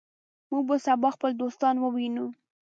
موږ به سبا خپل دوستان ووینو.